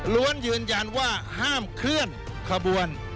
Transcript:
ยืนยันว่าห้ามเคลื่อนขบวน